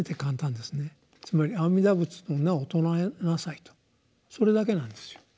つまり「阿弥陀仏の名を称えなさい」とそれだけなんですよ。